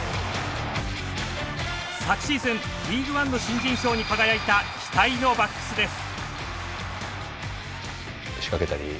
昨シーズンリーグワンの新人賞に輝いた期待のバックスです。